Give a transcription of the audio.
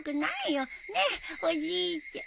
おじいちゃ。